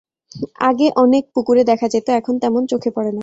আগে অনেক পুকুরে দেখা যেত এখন তেমন চোখে পড়ে না।